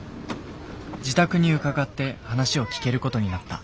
自宅に伺って話を聞けることになった。